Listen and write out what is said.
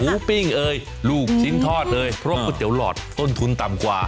ปิ้งเอ่ยลูกชิ้นทอดเลยเพราะก๋วยเตี๋หลอดต้นทุนต่ำกว่า